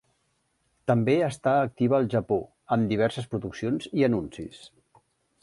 També està activa al Japó amb diverses produccions i anuncis.